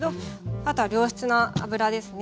あとは良質な油ですね。